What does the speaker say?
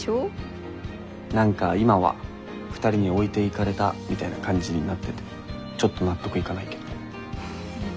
何か今は２人に置いていかれたみたいな感じになっててちょっと納得いかないけど。